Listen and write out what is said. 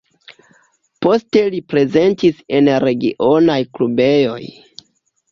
Poste li prezentis en regionaj klubejoj.